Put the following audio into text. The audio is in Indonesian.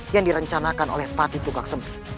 yang direncanakan oleh pati tukak sempit